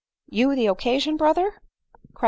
"You the occasion, brother !" cried.